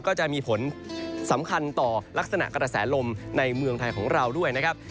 ก็จะมีผลสำคัญต่อลักษณะกระแสลมในเมืองไทยของเราด้วยนะครับ